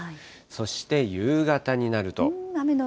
そして夕方になると。